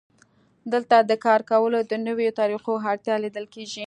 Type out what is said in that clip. دلته د کار کولو د نویو طریقو اړتیا لیدل کېږي